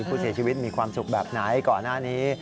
ผู้เสียชีวิตมีความสุขแบบไหนก่อนหน้านี้